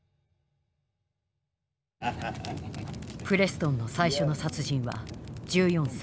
プレストンの最初の殺人は１４歳。